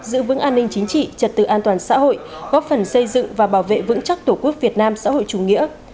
giữ vững an ninh chính trị trật tự an toàn xã hội góp phần xây dựng và bảo vệ vững chắc tổ quốc việt nam xã hội chủ nghĩa